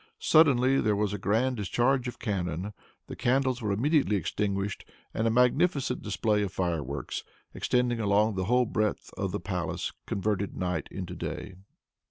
Suddenly there was a grand discharge of cannon. The candles were immediately extinguished, and a magnificent display of fireworks, extending along the whole breadth of the palace, converted night into day.